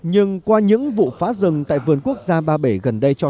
nhưng qua những vụ phá rừng tại vườn quốc gia ba bể gần đây cho thấy